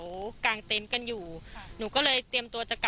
ก็กลายเป็นว่าติดต่อพี่น้องคู่นี้ไม่ได้เลยค่ะ